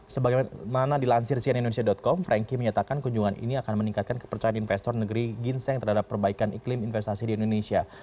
sebagai mana dilansir sianindonesia com franky menyatakan kunjungan ini akan meningkatkan kepercayaan investor negeri ginseng terhadap perbaikan iklim investasi di indonesia